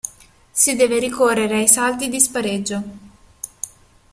Si deve ricorrere ai salti di spareggio.